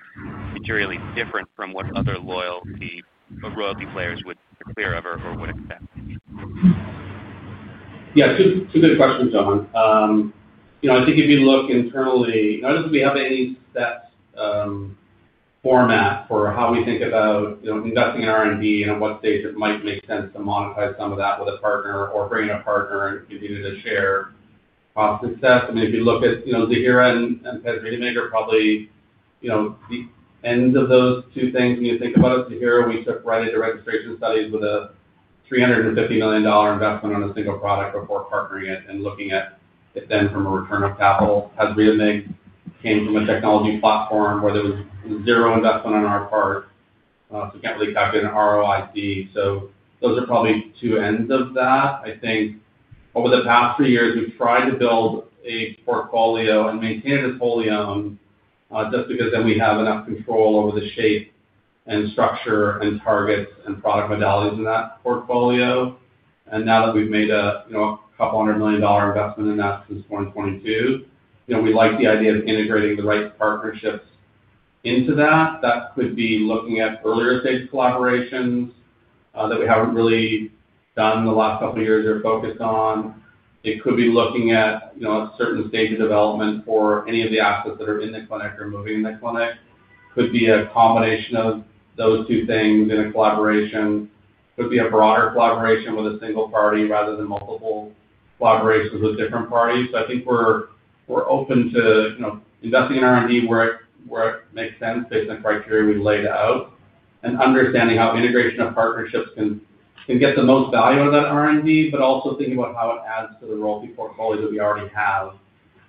materially different from what other royalty players would declare or would accept. Yeah, it's a good question, Jon. I think if you look internally, not if we have any set format for how we think about investing in R&D and at what stage it might make sense to monetize some of that with a partner or bring in a partner and continue to share cost and success. I mean, if you look at Ziihera and pasritamig, probably the end of those two things when you think about it. Ziihera, we took right into registration studies with a $350 million investment on a single product before partnering it and looking at it then from a return of capital. Hasreta Medic came from a technology platform where there was zero investment on our part, so we can't really calculate an ROIC. Those are probably two ends of that. I think over the past three years, we've tried to build a portfolio and maintain it as wholly owned just because then we have enough control over the shape and structure and targets and product modalities in that portfolio. Now that we've made a couple hundred million dollar investment in that since 2022, we like the idea of integrating the right partnerships into that. That could be looking at earlier stage collaborations that we haven't really done in the last couple of years or focused on. It could be looking at a certain stage of development for any of the assets that are in the clinic or moving in the clinic. It could be a combination of those two things in a collaboration. It could be a broader collaboration with a single party rather than multiple collaborations with different parties. I think we're open to investing in R&D where it makes sense based on criteria we've laid out and understanding how integration of partnerships can get the most value out of that R&D, but also thinking about how it adds to the Royalty portfolio that we already have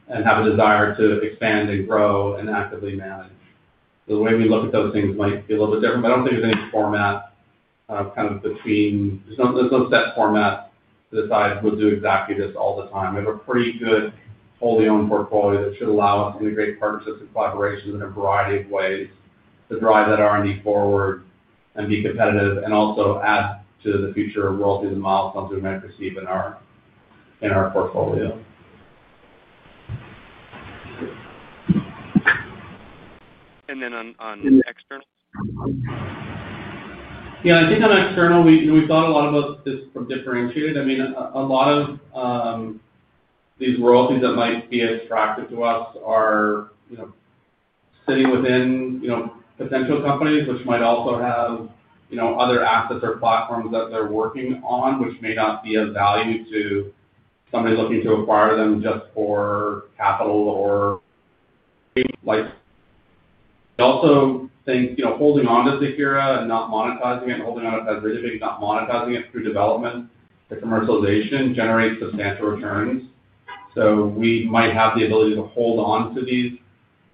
and have a desire to expand and grow and actively manage. The way we look at those things might be a little bit different, but I don't think there's any format kind of between—there's no set format to decide we'll do exactly this all the time. We have a pretty good wholly owned portfolio that should allow us to integrate partnerships and collaborations in a variety of ways to drive that R&D forward and be competitive and also add to the future royalty and milestones we might perceive in our portfolio. On external? Yeah, I think on external, we thought a lot about this from differentiated. I mean, a lot of these royalties that might be attractive to us are sitting within potential companies, which might also have other assets or platforms that they're working on, which may not be of value to somebody looking to acquire them just for capital or—we also think holding on to Ziihera and not monetizing it and holding on to pasritamig, not monetizing it through development to commercialization generates substantial returns. We might have the ability to hold on to these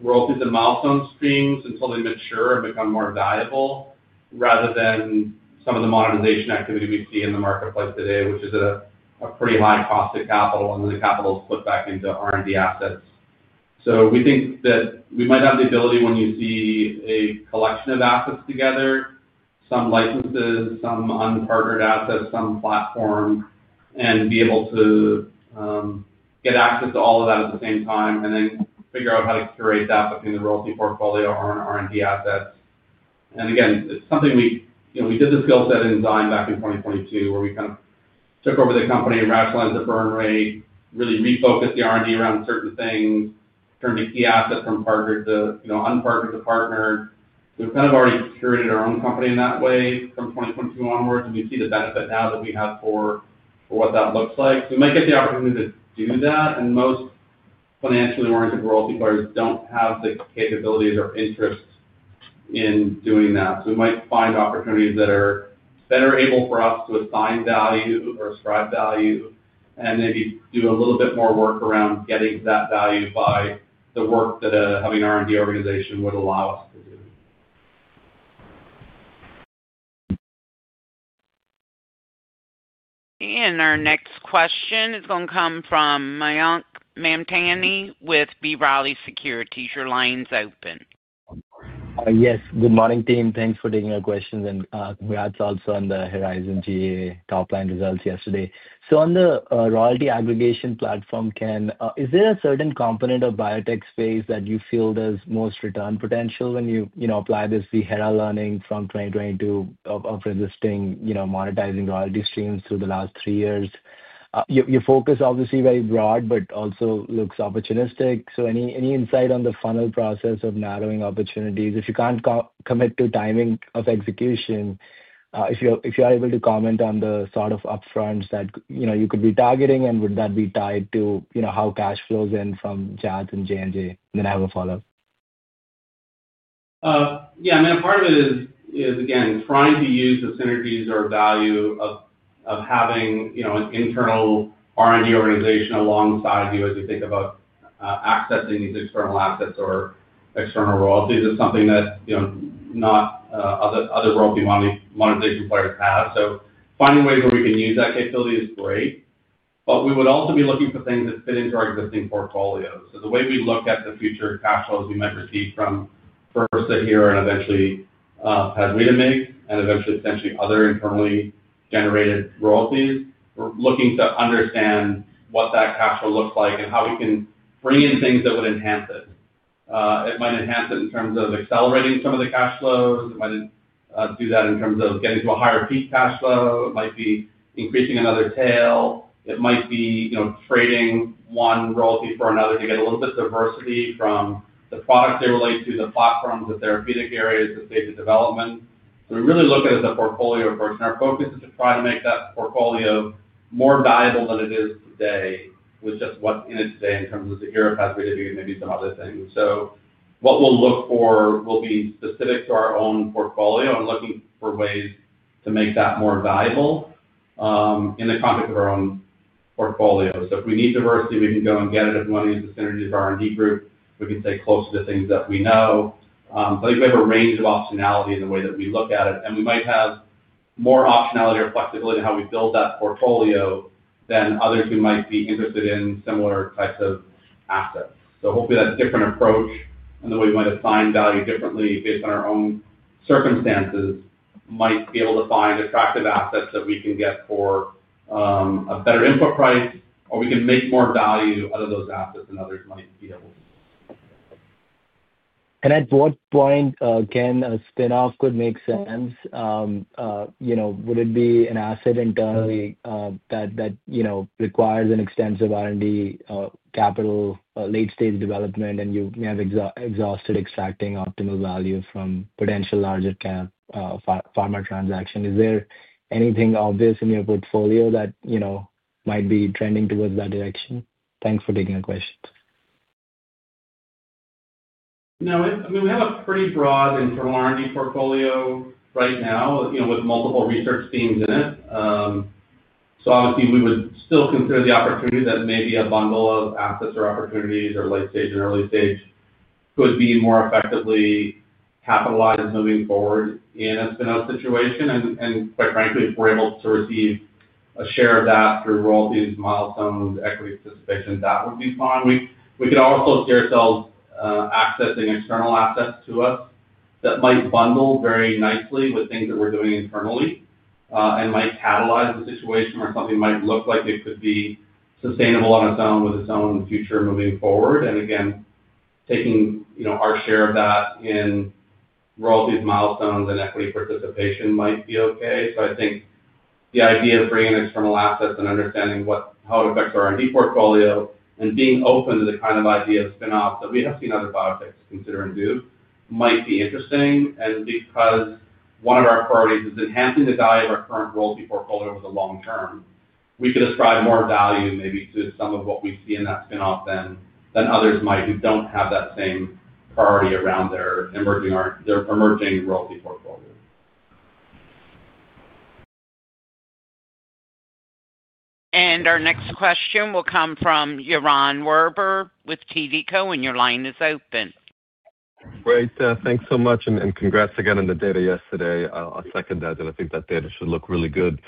royalties and milestone streams until they mature and become more valuable rather than some of the monetization activity we see in the marketplace today, which is a pretty high cost of capital, and then the capital is put back into R&D assets. We think that we might have the ability when you see a collection of assets together, some licenses, some unpartnered assets, some platform, and be able to get access to all of that at the same time and then figure out how to curate that between the Royalty portfolio and R&D assets. Again, it's something we did, the skill set in Zyme back in 2022 where we kind of took over the company and rationalized the burn rate, really refocused the R&D around certain things, turned the key assets from partnered to unpartnered to partnered. We've kind of already curated our own company in that way from 2022 onwards, and we see the benefit now that we have for what that looks like. We might get the opportunity to do that, and most financially oriented royalty players do not have the capabilities or interest in doing that. We might find opportunities that are better able for us to assign value or ascribe value and maybe do a little bit more work around getting that value by the work that a heavy R&D organization would allow us to do. Our next question is going to come from Mayank Mamtani with B. Riley Securities. Your line is open. Yes. Good morning, Tim. Thanks for taking our questions, and congrats also on the HERIZON-GEA top-line results yesterday. On the royalty aggregation platform, Ken, is there a certain component of biotech space that you feel there's most return potential when you apply this Ziihera learning from 2022 of resisting monetizing royalty streams through the last three years? Your focus obviously very broad, but also looks opportunistic. Any insight on the funnel process of narrowing opportunities? If you can't commit to timing of execution, if you are able to comment on the sort of upfronts that you could be targeting, would that be tied to how cash flows in from Jazz and J&J? I have a follow-up. Yeah. I mean, a part of it is, again, trying to use the synergies or value of having an internal R&D organization alongside you as you think about accessing these external assets or external royalties is something that other royalty monetization players have. Finding ways where we can use that capability is great, but we would also be looking for things that fit into our existing portfolio. The way we look at the future cash flows we might receive from first Ziihera and eventually pasritamig, and eventually potentially other internally generated royalties, we're looking to understand what that cash flow looks like and how we can bring in things that would enhance it. It might enhance it in terms of accelerating some of the cash flows. It might do that in terms of getting to a higher peak cash flow. It might be increasing another tail. It might be trading one royalty for another to get a little bit of diversity from the products they relate to, the platforms, the therapeutic areas, the stage of development. We really look at it as a portfolio approach, and our focus is to try to make that portfolio more valuable than it is today with just what's in it today in terms of Ziihera, pasritamig, and maybe some other things. What we'll look for will be specific to our own portfolio and looking for ways to make that more valuable in the context of our own portfolio. If we need diversity, we can go and get it. If we want to use the synergies of our R&D group, we can stay closer to things that we know. I think we have a range of optionality in the way that we look at it, and we might have more optionality or flexibility in how we build that portfolio than others who might be interested in similar types of assets. Hopefully that different approach and the way we might assign value differently based on our own circumstances might be able to find attractive assets that we can get for a better input price, or we can make more value out of those assets than others might be able to. Can I broad point, Ken, a spinoff could make sense. Would it be an asset internally that requires an extensive R&D capital late-stage development, and you may have exhausted extracting optimal value from potential larger pharma transaction? Is there anything obvious in your portfolio that might be trending towards that direction? Thanks for taking the question. No. I mean, we have a pretty broad internal R&D portfolio right now with multiple research teams in it. Obviously, we would still consider the opportunity that maybe a bundle of assets or opportunities or late-stage and early-stage could be more effectively capitalized moving forward in a spinoff situation. Quite frankly, if we're able to receive a share of that through royalties, milestones, equity participation, that would be fine. We could also see ourselves accessing external assets to us that might bundle very nicely with things that we're doing internally and might catalyze the situation where something might look like it could be sustainable on its own with its own future moving forward. Again, taking our share of that in royalties, milestones, and equity participation might be okay. I think the idea of bringing external assets and understanding how it affects our R&D portfolio and being open to the kind of idea of spinoffs that we have seen other biotechs consider and do might be interesting. Because one of our priorities is enhancing the value of our current Royalty portfolio over the long term, we could ascribe more value maybe to some of what we see in that spinoff than others might who do not have that same priority around their emerging Royalty portfolio. Our next question will come from Yaron Werber with TD Cowen, and your line is open. Great. Thanks so much, and congrats again on the data yesterday. I will second that, and I think that data should look really good.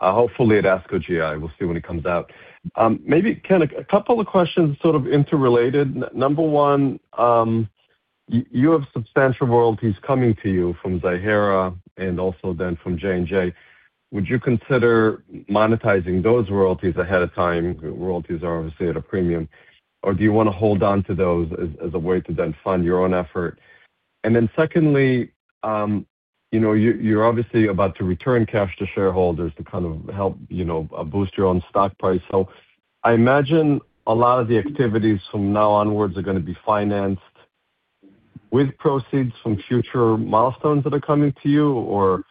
Hopefully, it asks for GI. We will see when it comes out. Maybe, Ken, a couple of questions sort of interrelated. Number one, you have substantial royalties coming to you from Ziihera and also then from J&J. Would you consider monetizing those royalties ahead of time? Royalties are obviously at a premium, or do you want to hold on to those as a way to then fund your own effort? Secondly, you're obviously about to return cash to shareholders to kind of help boost your own stock price. I imagine a lot of the activities from now onwards are going to be financed with proceeds from future milestones that are coming to you, or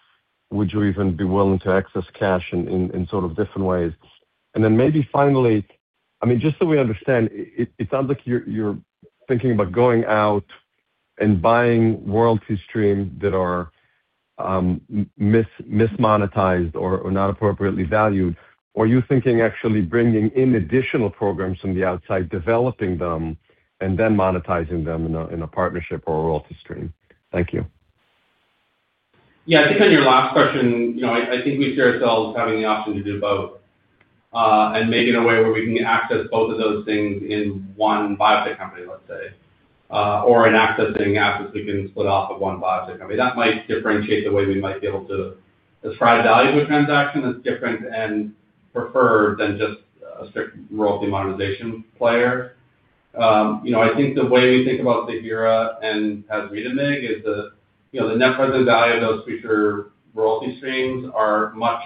would you even be willing to access cash in sort of different ways? Maybe finally, I mean, just so we understand, it sounds like you're thinking about going out and buying royalty streams that are mismonetized or not appropriately valued. Are you thinking actually bringing in additional programs from the outside, developing them, and then monetizing them in a partnership or a royalty stream? Thank you. Yeah. I think on your last question, I think we see ourselves having the option to do both and maybe in a way where we can access both of those things in one biotech company, let's say, or in accessing assets we can split off of one biotech company. That might differentiate the way we might be able to ascribe value to a transaction that's different and preferred than just a strict royalty monetization player. I think the way we think about Ziihera and pasritamig is that the net present value of those future royalty streams are much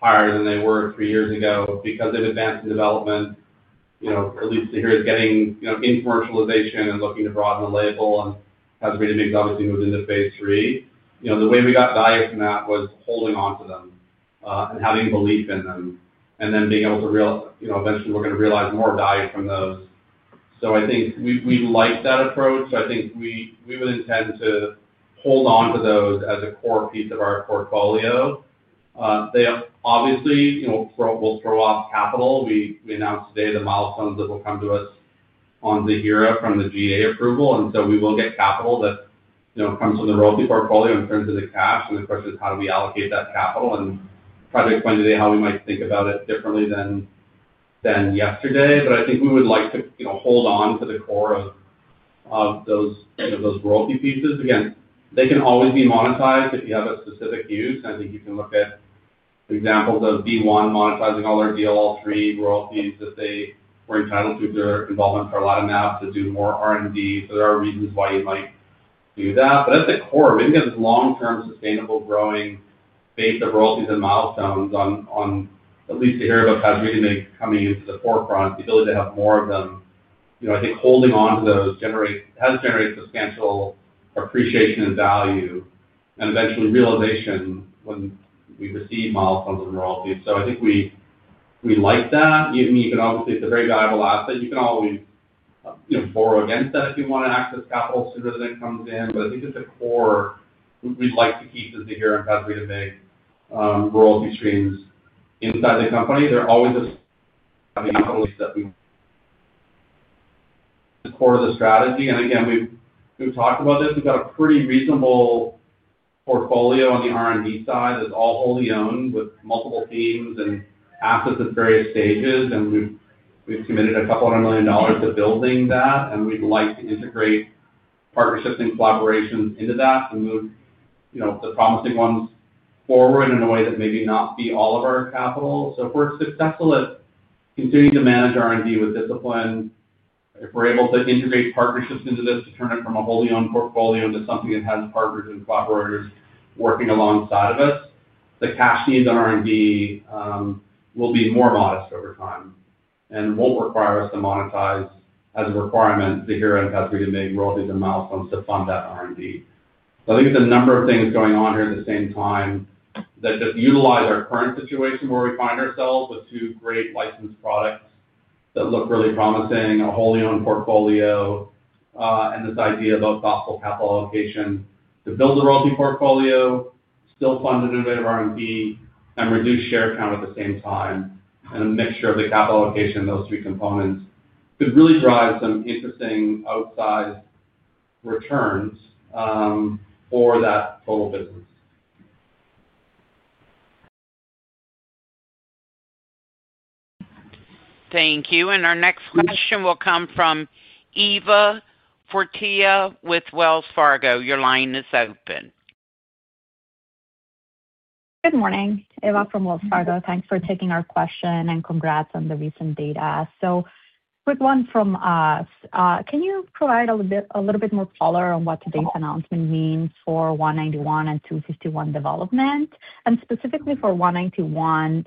higher than they were three years ago because they've advanced in development. At least Ziihera is getting in commercialization and looking to broaden the label, and pasritamig has obviously moved into Phase 3. The way we got value from that was holding on to them and having belief in them and then being able to eventually look and realize more value from those. I think we like that approach. I think we would intend to hold on to those as a core piece of our portfolio. They obviously will throw off capital. We announced today the milestones that will come to us on Ziihera from the GEA approval, and we will get capital that comes from the Royalty portfolio and turns into cash. The question is, how do we allocate that capital and try to explain today how we might think about it differently than yesterday? I think we would like to hold on to the core of those royalty pieces. Again, they can always be monetized if you have a specific use. I think you can look at examples of BeOne monetizing all their DLL3 royalties that they were entitled to through their involvement with pralatrexate to do more R&D. There are reasons why you might do that. At the core, maybe get this long-term sustainable growing base of royalties and milestones on at least Ziihera with pasritamig coming into the forefront, the ability to have more of them. I think holding on to those has generated substantial appreciation and value and eventually realization when we receive milestones and royalties. I think we like that. I mean, you can obviously, it's a very valuable asset. You can always borrow against that if you want to access capital sooner than it comes in. I think at the core, we'd like to keep the Ziihera and pasritamig royalty streams inside the Company. They're always a value that we support as a strategy. Again, we've talked about this. We've got a pretty reasonable portfolio on the R&D side. It's all wholly owned with multiple teams and assets at various stages, and we've committed a couple hundred million dollars to building that. We'd like to integrate partnerships and collaborations into that and move the promising ones forward in a way that maybe not be all of our capital. If we're successful at continuing to manage R&D with discipline, if we're able to integrate partnerships into this to turn it from a wholly owned portfolio into something that has partners and collaborators working alongside of us, the cash needs on R&D will be more modest over time and won't require us to monetize as a requirement, Ziihera and pasritamig royalties and milestones to fund that R&D. I think there's a number of things going on here at the same time that just utilize our current situation where we find ourselves with two great licensed products that look really promising, a wholly owned portfolio, and this idea about thoughtful capital allocation to build the Royalty portfolio, still fund innovative R&D, and reduce share count at the same time. A mixture of the capital allocation, those three components, could really drive some interesting outsized returns for that total business. Thank you. Our next question will come from Eva Fortea with Wells Fargo. Your line is open. Good morning. Eva from Wells Fargo. Thanks for taking our question and congrats on the recent data. Quick one from us. Can you provide a little bit more color on what today's announcement means for 191 and 251 development? Specifically for 191,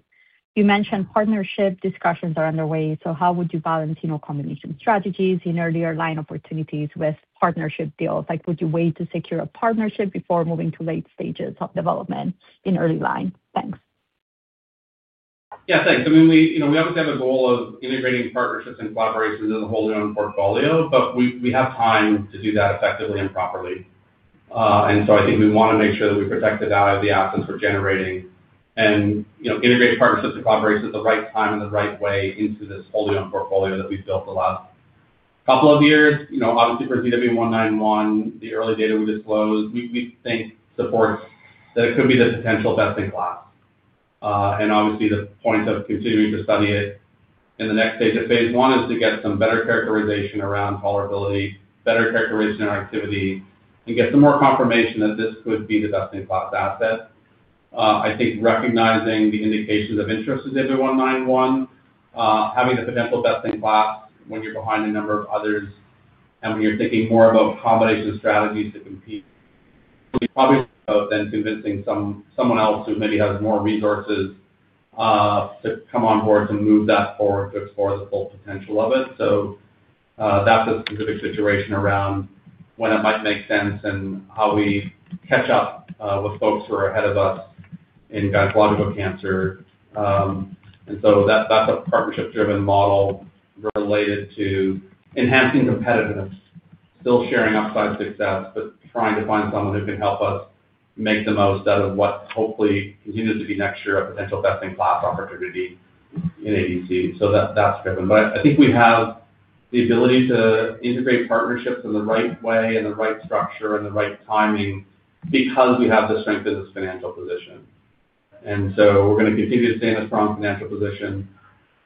you mentioned partnership discussions are underway. How would you balance combination strategies in earlier line opportunities with partnership deals? Would you wait to secure a partnership before moving to late stages of development in early line? Thanks. Yeah. Thanks. I mean, we obviously have a goal of integrating partnerships and collaborations in the wholly owned portfolio, but we have time to do that effectively and properly. I think we want to make sure that we protect the value of the assets we're generating and integrate partnerships and collaborations at the right time and the right way into this wholly owned portfolio that we've built the last couple of years. Obviously, for ZW191, the early data we disclosed, we think supports that it could be the potential best in class. Obviously, the point of continuing to study it in the next stage of Phase 1 is to get some better characterization around tolerability, better characterization of activity, and get some more confirmation that this could be the best in class asset. I think recognizing the indications of interest in ZW191, having the potential best in class when you're behind a number of others, and when you're thinking more about combination strategies to compete, we probably would go then convincing someone else who maybe has more resources to come on board to move that forward to explore the full potential of it. That is a specific situation around when it might make sense and how we catch up with folks who are ahead of us in gynecological cancer. That is a partnership-driven model related to enhancing competitiveness, still sharing upside success, but trying to find someone who can help us make the most out of what hopefully continues to be next year a potential best in class opportunity in ADC. That is driven. I think we have the ability to integrate partnerships in the right way, in the right structure, and the right timing because we have the strength in this financial position. We're going to continue to stay in a strong financial position,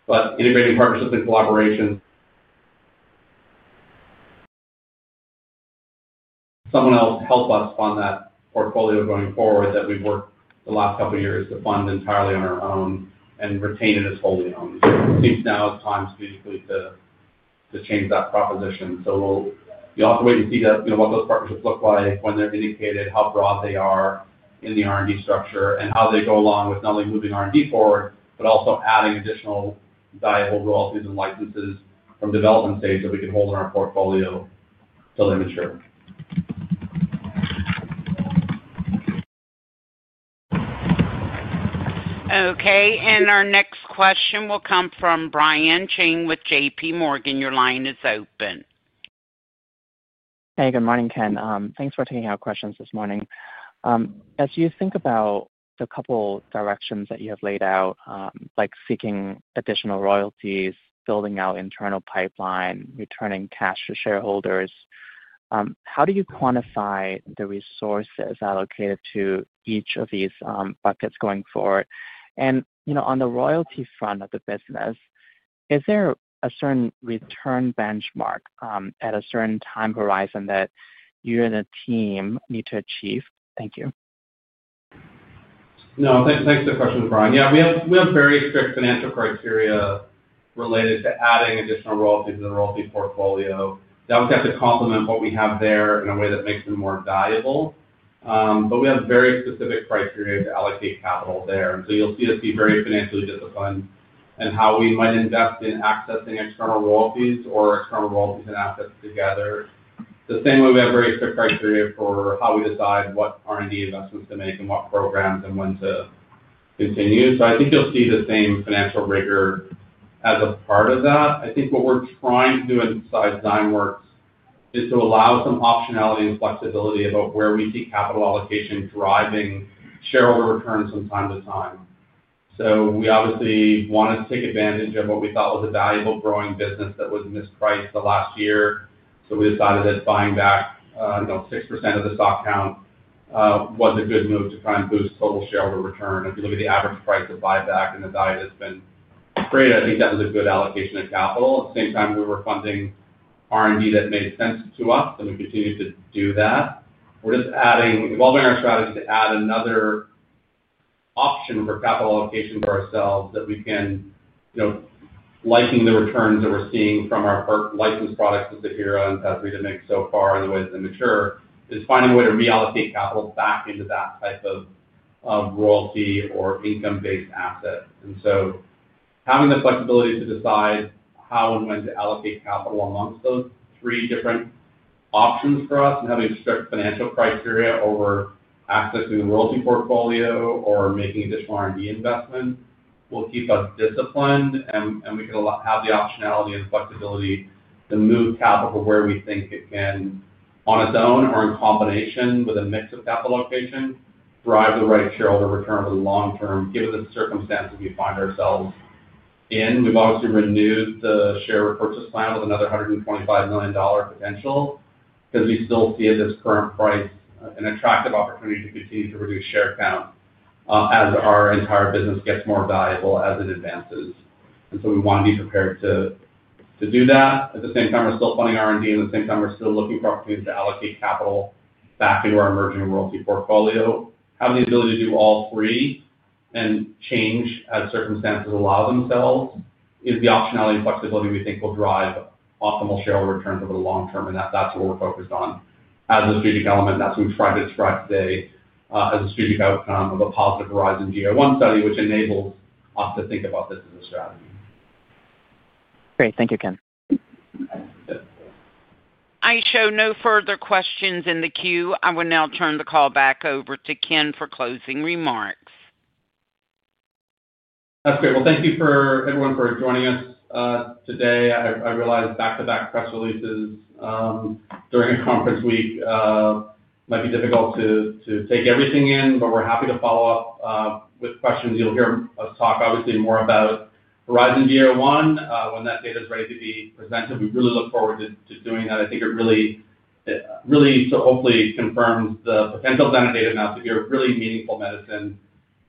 but integrating partnerships and collaborations. Someone else help us fund that portfolio going forward that we've worked the last couple of years to fund entirely on our own and retain it as wholly owned. It seems now is time to change that proposition. We'll have to wait and see what those partnerships look like, when they're indicated, how broad they are in the R&D structure, and how they go along with not only moving R&D forward, but also adding additional valuable royalties and licenses from development stage that we can hold in our portfolio till they mature. Okay. Our next question will come from Brian Chinn with JPMorgan. Your line is open. Hey, good morning, Ken. Thanks for taking our questions this morning. As you think about the couple directions that you have laid out, like seeking additional royalties, building out internal pipeline, returning cash to shareholders, how do you quantify the resources allocated to each of these buckets going forward? On the royalty front of the business, is there a certain return benchmark at a certain time horizon that you and the team need to achieve? Thank you. No, thanks for the question, Brian. Yeah, we have very strict financial criteria related to adding additional royalties to the Royalty portfolio. That would have to complement what we have there in a way that makes them more valuable. We have very specific criteria to allocate capital there. You'll see us be very financially disciplined in how we might invest in accessing external royalties or external royalties and assets together. The same way we have very strict criteria for how we decide what R&D investments to make and what programs and when to continue. I think you'll see the same financial rigor as a part of that. I think what we're trying to do inside Zymeworks is to allow some optionality and flexibility about where we see capital allocation driving shareholder returns from time to time. We obviously wanted to take advantage of what we thought was a valuable growing business that was mispriced the last year. We decided that buying back 6% of the stock count was a good move to try and boost total shareholder return. If you look at the average price of buyback and the value that's been created, I think that was a good allocation of capital. At the same time, we were funding R&D that made sense to us, and we continued to do that. We're just evolving our strategy to add another option for capital allocation for ourselves that we can, liking the returns that we're seeing from our licensed products with Ziihera and zanidatamab so far and the way that they mature, is finding a way to reallocate capital back into that type of royalty or income-based asset. Having the flexibility to decide how and when to allocate capital amongst those three different options for us and having strict financial criteria over accessing the Royalty portfolio or making additional R&D investments will keep us disciplined, and we can have the optionality and flexibility to move capital where we think it can on its own or in combination with a mix of capital allocation, drive the right shareholder return over the long term, given the circumstances we find ourselves in. We have obviously renewed the share purchase plan with another $125 million potential because we still see at this current price an attractive opportunity to continue to reduce share count as our entire business gets more valuable as it advances. We want to be prepared to do that. At the same time, we're still funding R&D, and at the same time, we're still looking for opportunities to allocate capital back into our emerging Royalty portfolio. Having the ability to do all three and change as circumstances allow themselves is the optionality and flexibility we think will drive optimal shareholder returns over the long term, and that's what we're focused on as a strategic element. That's what we've tried to describe today as a strategic outcome of a positive HERIZON-GEA-01 study, which enables us to think about this as a strategy. Great. Thank you, Ken. I show no further questions in the queue. I will now turn the call back over to Ken for closing remarks. Great. Thank you for everyone for joining us today. I realize back-to-back press releases during a conference week might be difficult to take everything in, but we're happy to follow up with questions. You'll hear us talk, obviously, more about HERIZON-GEA-01 when that data is ready to be presented. We really look forward to doing that. I think it really hopefully confirms the potential of zanidatamab to be a really meaningful medicine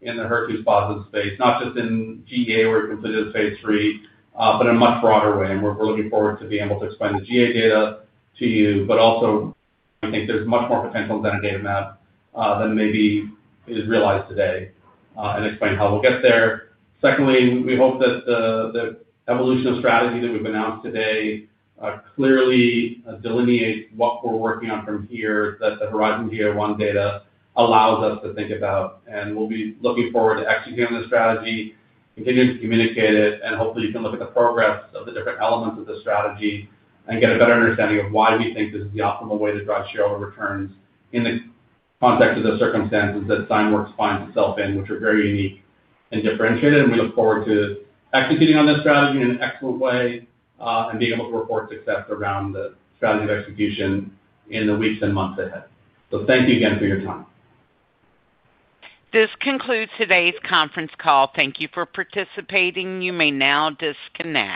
in the HER2-Positive space, not just in GEA where we completed Phase 3, but in a much broader way. We're looking forward to being able to explain the GEA data to you, but also I think there's much more potential in zanidatamab than maybe is realized today and explain how we'll get there. Secondly, we hope that the evolution of strategy that we've announced today clearly delineates what we're working on from here that the HERIZON-GEA-01 data allows us to think about. We will be looking forward to executing the strategy, continuing to communicate it, and hopefully, you can look at the progress of the different elements of the strategy and get a better understanding of why we think this is the optimal way to drive shareholder returns in the context of the circumstances that Zymeworks finds itself in, which are very unique and differentiated. We look forward to executing on this strategy in an excellent way and being able to report success around the strategy of execution in the weeks and months ahead. Thank you again for your time. This concludes today's conference call. Thank you for participating. You may now disconnect.